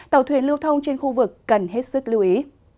tàu thuyền lưu thông trên khu vực cần hết sức lưu ý